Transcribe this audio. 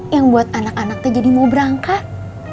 yang buat anak anaknya jadi mau berangkat